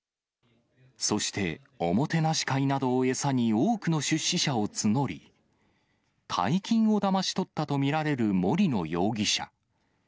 そして、おもてなし会などを餌に多くの出資者を募り、大金をだまし取ったと見られる森野容疑者。